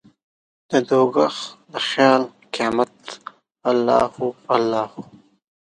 ددوږخ د خیال قیامته الله هو، الله هو